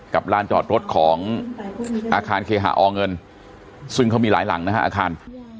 ลานจอดรถของอาคารเคหาอเงินซึ่งเขามีหลายหลังนะฮะอาคาร